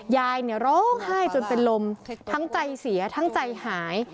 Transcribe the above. ยายเนี่ยร้องไห้จนเป็นลมทั้งใจเสียทั้งใจหาย